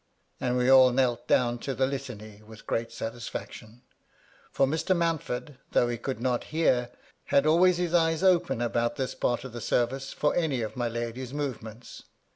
And we all knelt down to the Litany with great satisfaction ; for Mr. Mountford, though he could not hear, had always his eyes open about this part of the service, for any of my lady's movements.